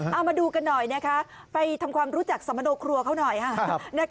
เอามาดูกันหน่อยนะคะไปทำความรู้จักสมโนครัวเขาหน่อยค่ะ